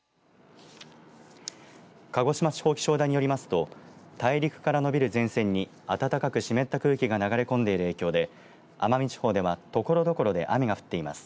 鹿児島地方気象台によりますと大陸からのびる前線に暖かく湿った空気が流れ込んでいる影響で奄美地方では、ところどころで雨が降っています。